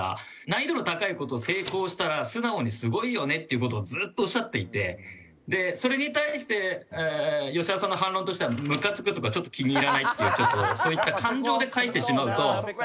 難易度の高い事を成功したら素直にすごいよねっていう事をずっとおっしゃっていてそれに対して吉田さんの反論としてはむかつくとかちょっと気に入らないっていうそういった感情で返してしまうとちょっと弱いかな。